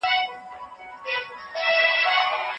د سړي سر ملي عايد زياتوالی وموند.